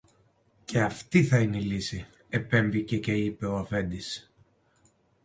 Και αυτή θα είναι η λύση, επεμβήκε και είπε ο αφέντης